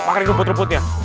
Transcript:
makan rumput rumputnya